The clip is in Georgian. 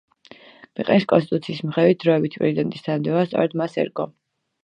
ქვეყნის კონსტიტუციის მიხედვით დროებითი პრეზიდენტის თანამდებობა სწორედ მას ერგო.